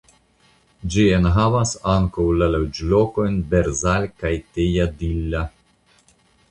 Ĝi enhavas ankaŭ la loĝlokojn Berzal kaj Tejadilla.